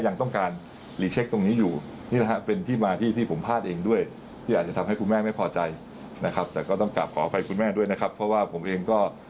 ยังต้องการตรงนี้อยู่นี่นะเป็นที่มาที่ที่ผมพลาดเอง